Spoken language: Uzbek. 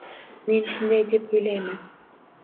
Men shunday deb o‘ylayman.